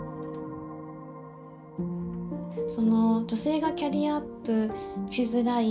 その女性がキャリアアップしづらい